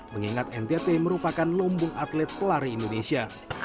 mengingat ntt merupakan lumbung atlet pelari indonesia